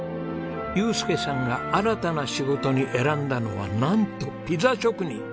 祐介さんが新たな仕事に選んだのはなんとピザ職人。